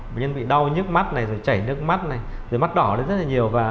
bệnh nhân bị đau nước mắt chảy nước mắt mắt đỏ rất là nhiều